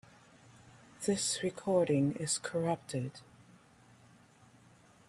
This recording is corrupted.